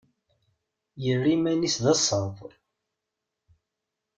Yerra iman-is d asaḍ.